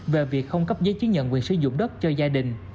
về việc không cấp giấy chứng nhận quyền sử dụng đất cho gia đình